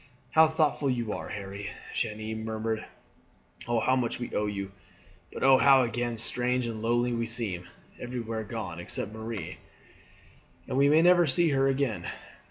"How thoughtful you are, Harry!" Jeanne murmured. "Oh how much we owe you! But oh how strange and lonely we seem everyone gone except Marie, and we may never see her again!"